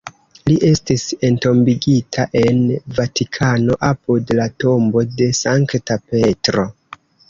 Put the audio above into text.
Li estis entombigita en Vatikano, apud la tombo de Sankta Petro.